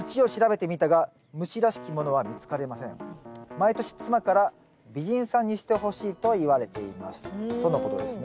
「毎年妻から美人さんにしてほしいと言われています」とのことですね。